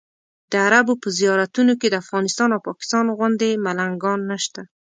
د عربو په زیارتونو کې د افغانستان او پاکستان غوندې ملنګان نشته.